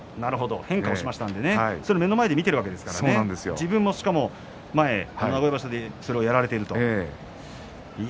変化をしましたのでそれを目の前で見ているわけですから自分も名古屋場所でそれをやられていると。